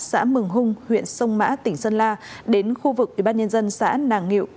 xã mường hung huyện sông mã tỉnh sơn la đến khu vực ubnd xã nàng ngu